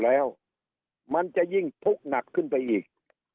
แล้วมันจะยิ่งทุกข์หนักขึ้นไปอีก